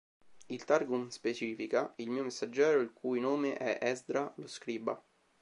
Il Targum specifica: "Il mio messaggero, il cui nome è Esdra, lo scriba".